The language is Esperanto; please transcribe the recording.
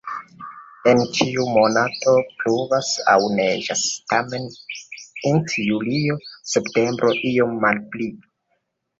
En ĉiuj monatoj pluvas aŭ neĝas, tamen int julio-septembro iom malpli.